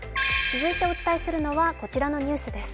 続いてお伝えするのはこちらのニュースです。